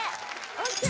・ＯＫ！